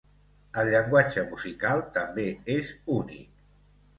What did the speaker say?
El llenguatge musical també és únic.